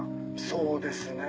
そうですね。